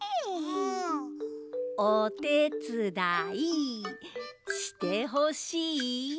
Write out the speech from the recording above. おてつだいしてほしい？